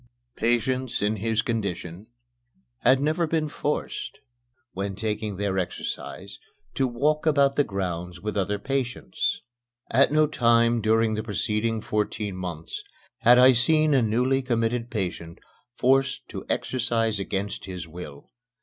Patients in his condition had never been forced, when taking their exercise, to walk about the grounds with the other patients. At no time during the preceding fourteen months had I seen a newly committed patient forced to exercise against his will.